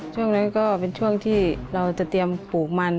ช่วงนั้นก็เป็นช่วงที่เราจะเตรียมปลูกมัน